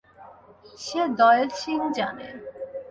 সে দয়াল সিং জানে।